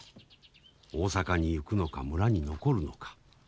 大阪に行くのか村に残るのか。